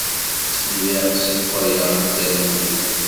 Lliɣ ssakayeɣ-d Dda Lmulud.